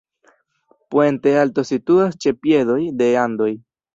Puente Alto situas ĉe piedoj de Andoj.